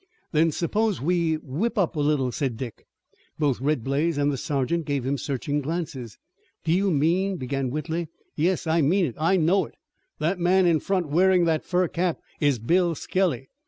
"Then suppose we whip up a little," said Dick. Both Red Blaze and the sergeant gave him searching glances. "Do you mean " began Whitley. "Yes, I mean it. I know it. The man in front wearing the fur cap is Bill Skelly.